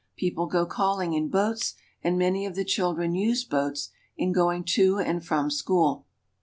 People go calling in boats, and many of the children use boats in going to and from school.